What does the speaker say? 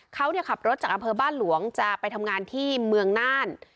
เขาขับรถจากอำเภอบ้านหลวงจะไปทำงานที่เมืองน่าน